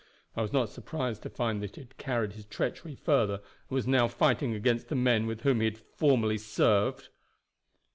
I was not surprised to find that he had carried his treachery further, and was now fighting against the men with whom he had formerly served."